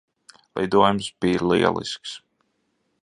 Lidojums bija lielisks.